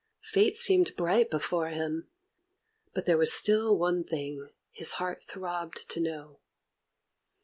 Fate seemed bright before him. But there was still one thing his heart throbbed to know.